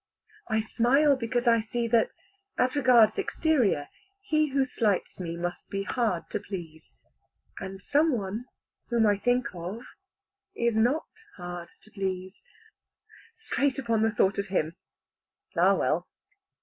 I smile because I see that, as regards exterior, he who slights me must be hard to please; and some one, whom I think of, is not hard to please. Straight upon the thought of him Ah well.